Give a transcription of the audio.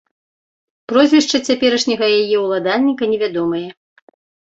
Прозвішча цяперашняга яе ўладальніка невядомае.